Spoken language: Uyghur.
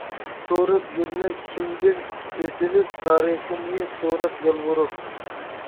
سوراپ يۈرمە كىمدىن ئۆتۈنۈپ، تارىخىمنى سوراپ يالۋۇرۇپ.